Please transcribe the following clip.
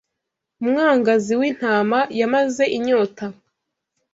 Umwagazi w'intama yamaze inyota